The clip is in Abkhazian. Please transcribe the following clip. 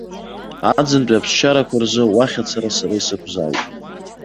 Аӡынтәи аԥсшьарақәа рзы уахь ацара сара исықәзааит.